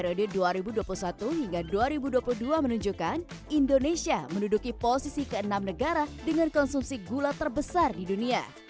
dua ribu dua puluh satu hingga dua ribu dua puluh dua menunjukkan indonesia menduduki posisi keenam negara dengan konsumsi gula terbesar di dunia